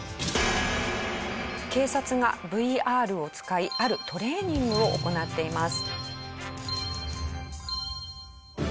警察がＶＲを使いあるトレーニングを行っています。